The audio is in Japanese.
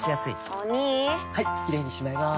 お兄はいキレイにしまいます！